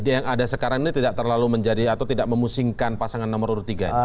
jadi yang ada sekarang ini tidak terlalu menjadi atau tidak memusingkan pasangan nomor urut tiga ya